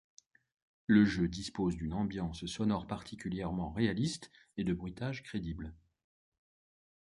Le jeu dispose d'une ambiance sonore particulièrement réaliste et de bruitages crédibles.